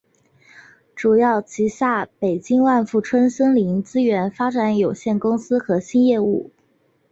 主要旗下北京万富春森林资源发展有限公司核心业务。